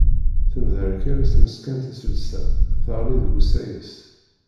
Temḍerkal tmeskant iselsa, teɣli deg usayes.